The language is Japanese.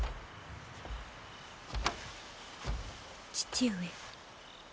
父上。